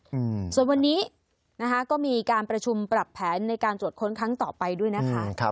อืมส่วนวันนี้นะคะก็มีการประชุมปรับแผนในการตรวจค้นครั้งต่อไปด้วยนะคะครับ